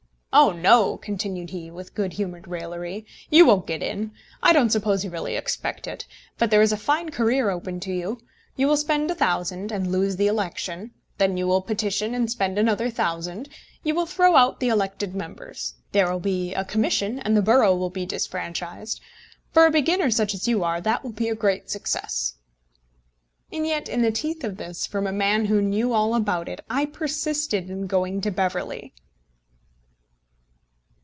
"Oh no!" continued he, with good humoured raillery, "you won't get in. I don't suppose you really expect it. But there is a fine career open to you. You will spend £1000, and lose the election. Then you will petition, and spend another £1000. You will throw out the elected members. There will be a commission, and the borough will be disfranchised. For a beginner such as you are, that will be a great success." And yet, in the teeth of this, from a man who knew all about it, I persisted in going to Beverley!